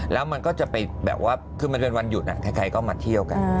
แล้วมันก็จะไปแบบว่าคือมันเป็นวันหยุดใครก็มาเที่ยวกัน